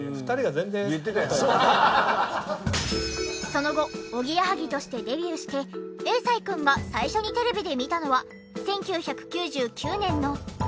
その後おぎやはぎとしてデビューして永才くんが最初にテレビで見たのは１９９９年の。